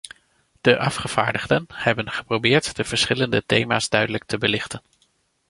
De afgevaardigden hebben geprobeerd de verschillende thema's duidelijk te belichten.